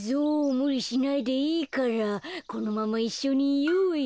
むりしないでいいからこのままいっしょにいようよ。